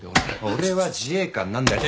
俺は自衛官になんだよ